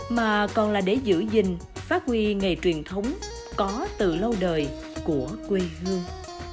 mà còn là để giữ gìn phát huy nghề truyền thống có từ lâu đời của quê hương